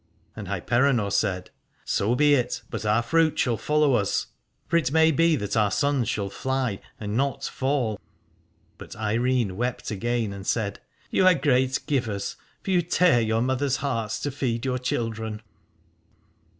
And Hyperenor said : So be it, but our fruit shall follow us : for 221 Aladore it may be that our sons shall fly and not fall. But Eirene wept again and said : You are great givers, for you tear your mothers' hearts to feed your children.